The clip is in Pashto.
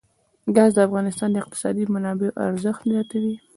ګاز د افغانستان د اقتصادي منابعو ارزښت زیاتوي.